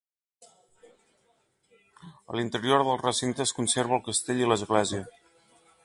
A l'interior del recinte es conserva el castell i l'església.